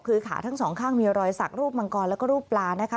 คือขาทั้งสองข้างมีรอยสักรูปมังกรแล้วก็รูปปลานะคะ